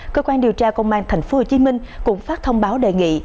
cơ quan điều tra công an tp hcm cũng phát thông báo đề nghị